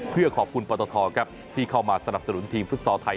เพื่อขอบคุณปตทครับที่เข้ามาสนับสนุนทีมฟุตซอลไทย